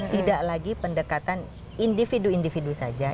tidak lagi pendekatan individu individu saja